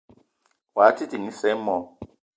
Wao te ding isa i mo?